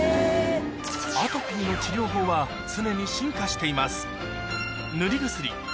アトピーの治療法は常に進化しています